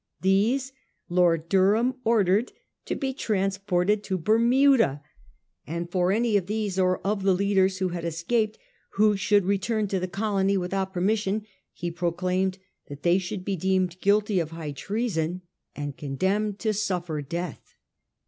These Lord Durham ordered to be transported to Bermuda; and for any of these, or of the leaders who had escaped, who should return to the colony without permission he proclaimed that they should be deemed guilty of high treason and condemned to suffer death.